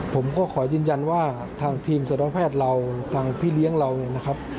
ผมก็ขอยืนยันว่าทางทีมสัตวแพทย์เราทางพี่เลี้ยงเราเนี่ยนะครับ